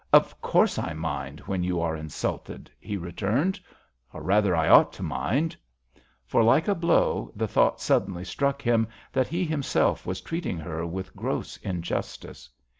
"Of course I mind, when you are insulted," he returned. "Or, rather, I ought to mind." For, like a blow, the thought suddenly struck him that he himself was treating her with gross injustice.